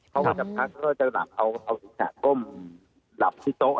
เขาก็จะพักเอาจิตจากก้มหลับที่โต๊ะอะไรแบบนี้ฮะ